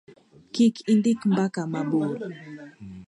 kik indik mbaka mabor